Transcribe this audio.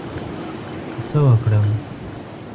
خو څه وکړم ؟